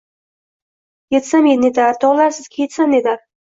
Yetsam netar, togʼlar sizga yetsam netar!